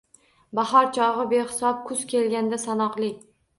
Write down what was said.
Bahor chog’i-behisob. Kuz kelganda-sanoqli.